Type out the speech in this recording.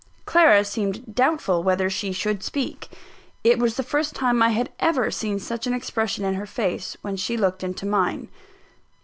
Clara seemed doubtful whether she should speak. It was the first time I had ever seen such an expression in her face, when she looked into mine.